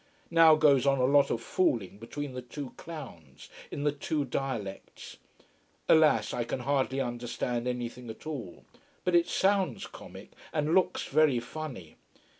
Now goes on a lot of fooling between the two clowns, in the two dialects. Alas, I can hardly understand anything at all. But it sounds comic, and looks very funny.